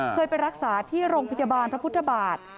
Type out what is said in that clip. เคยไปรักษาที่โรงพยาบาลพระพุทธบาท